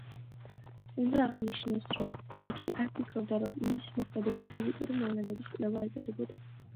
უნდა აღინიშნოს, რომ იგი არ ფიქრობდა, რო მის მოქმედებას ფიზიკური მოვლენების კვლევა ეწოდებოდა.